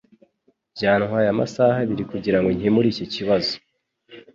Byantwaye amasaha abiri kugirango nkemure iki kibazo